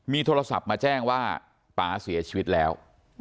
มีโทรศัพท์มาแจ้งว่าป๊าเสียชีวิตแล้ว